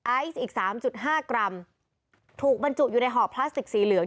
ไอซ์อีกสามจุดห้ากรัมถูกบรรจุอยู่ในห่อพลาสติกสีเหลือง